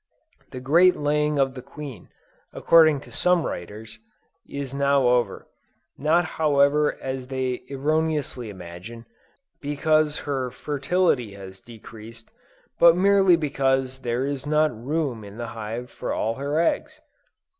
The great laying of the queen, according to some writers, is now over, not however as they erroneously imagine, because her fertility has decreased, but merely because there is not room in the hive for all her eggs.